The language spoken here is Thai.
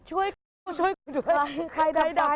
ถูกจับไฟใครดับไฟ